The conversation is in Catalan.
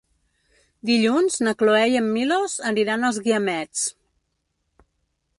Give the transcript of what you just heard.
Dilluns na Cloè i en Milos aniran als Guiamets.